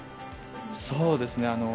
そうですね。